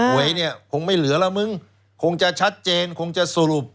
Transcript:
หวยเนี่ยคงไม่เหลือแล้วมึงคงจะชัดเจนคงจะสรุป